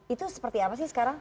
itu seperti apa sih sekarang